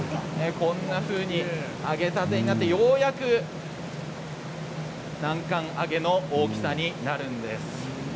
こんなふうに揚げたてになってようやく南関あげの大きさになります。